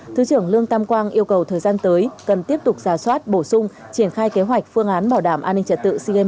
thứ trưởng lương tam quang yêu cầu thời gian tới cần tiếp tục giả soát bổ sung triển khai kế hoạch phương án bảo đảm an ninh trật tự sigen ba mươi một